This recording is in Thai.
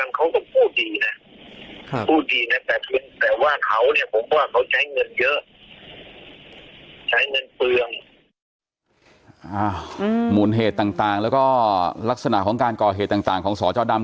มูลเหตุต่างแล้วก็ลักษณะของการก่อเหตุต่างของสจดำ